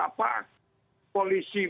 tidak menjadi keperhatian publik gitu